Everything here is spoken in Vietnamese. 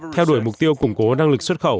theo đuổi mục tiêu củng cố năng lực xuất khẩu